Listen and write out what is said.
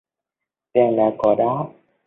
Tiền nào của đó